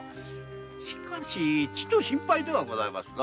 しかしちと心配ではございますなあ。